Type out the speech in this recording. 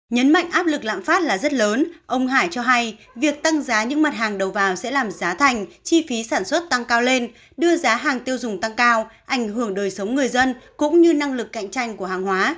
nhấn mạnh áp lực lạm phát là rất lớn ông hải cho hay việc tăng giá những mặt hàng đầu vào sẽ làm giá thành chi phí sản xuất tăng cao lên đưa giá hàng tiêu dùng tăng cao ảnh hưởng đời sống người dân cũng như năng lực cạnh tranh của hàng hóa